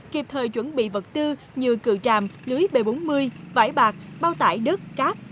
kịp thời chuẩn bị vật tư như cửa tràm lưới b bốn mươi vải bạc bao tải đất cát